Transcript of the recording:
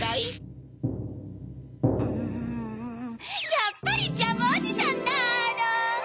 やっぱりジャムおじさんなの！